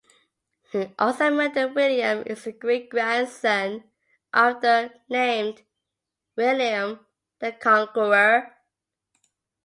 It also meant that William is the great-grandson of the famed William the Conqueror.